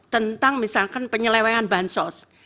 tentang misalkan penyelewengan bahan sos